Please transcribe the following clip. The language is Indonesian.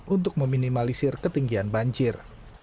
untuk meminimalisir ketinggian banjir